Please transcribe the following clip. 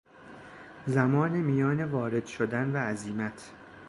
زمان میان وارد شدن و عزیمت